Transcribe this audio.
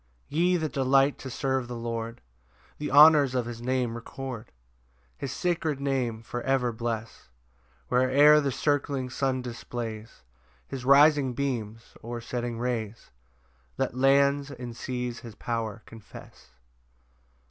1 Ye that delight to serve the Lord, The honours of his Name record, His sacred Name for ever bless: Where'er the circling sun displays His rising beams, or setting rays, Let lands and seas his power confess.